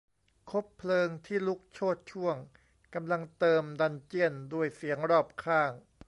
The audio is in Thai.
คบเพลิงที่ลุกโชติช่วงกำลังเติมดันเจี้ยนด้วยเสียงรอบข้าง